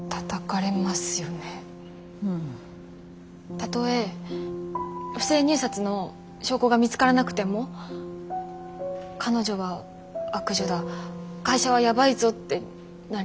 たとえ不正入札の証拠が見つからなくても彼女は悪女だ会社はやばいぞってなりますよね。